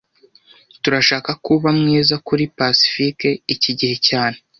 Turashaka ko uba mwiza kuri Pacifique iki gihe cyane